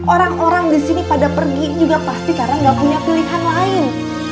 orang orang di sini pada pergi juga pasti karena gak punya pilihan lain